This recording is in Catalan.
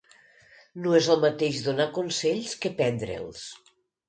No és el mateix donar consells que prendre'ls.